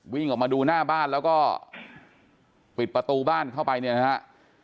วิ่งออกมาดูหน้าบ้านแล้วก็ปิดประตูบ้านเข้าไปเนี่ยนะฮะ